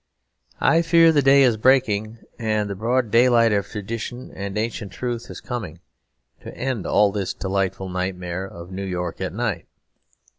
I fear the day is breaking, and the broad daylight of tradition and ancient truth is coming to end all this delightful nightmare of New York at night.